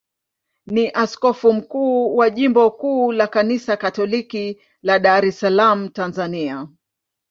ni askofu mkuu wa jimbo kuu la Kanisa Katoliki la Dar es Salaam, Tanzania.